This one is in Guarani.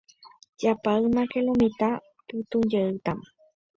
Japáymake lo mitã, pytũjeýtama.